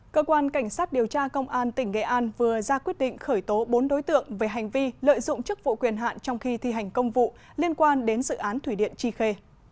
cơ quan cảnh sát điều tra công an tỉnh nghệ an vừa ra quyết định khởi tố bốn đối tượng về hành vi lợi dụng chức vụ quyền hạn trong khi thi hành công vụ liên quan đến dự án thủy điện tri khê